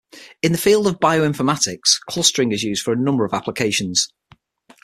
In the field of bioinformatics, clustering is used for a number of applications.